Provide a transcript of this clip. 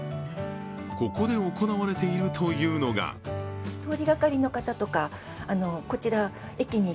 ここで行われているというのがそう